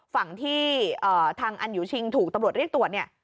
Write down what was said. ฝั่งที่ทางอันยูชิงถูกตำรวจเรียกตรวจเนี่ย